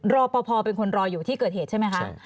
รอปภเป็นคนรออยู่ที่เกิดเหตุใช่ไหมคะ